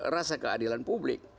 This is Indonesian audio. rasa keadilan publik